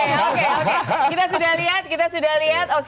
oke kita sudah lihat